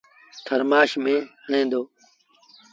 ٿرمآش ميݩ هڻي دو۔